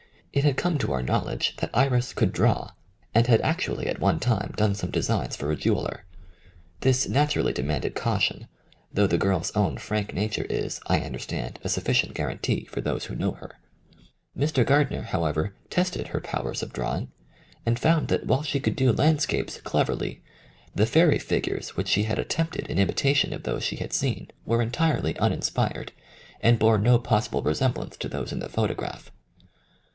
It had come to our knowledge that Iris could draw, and had actually at one time done some designs for a jeweller. This naturally demanded caution, though the girl's own 56 THE FIRST PUBLISHED ACCOUNT frank nature is, I understand, a sufficient guarantee for those who know her. Mr. Gardner, however, tested her powers of drawing, and found that, while she could do landscapes cleverly, the fairy figures which she had attempted in imitation of those she had seen were entirely uninspired, and bore no possible resemblance to those in the photograph.